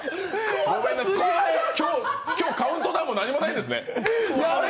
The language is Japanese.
今日、カウントダウンも何もないんですね。